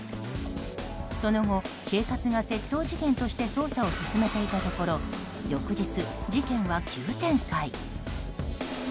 その後、警察が窃盗事件として捜査を進めていたところ翌日、事件は急展開。